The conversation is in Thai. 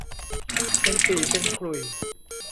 เป็นปี่เป็นขลุ่ย